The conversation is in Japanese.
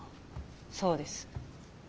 そうです。